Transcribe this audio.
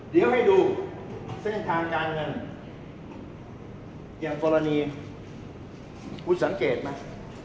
เดี๋ยวให้ดูเส้นทางการเงินอย่างกรณีคุณสังเกตไหม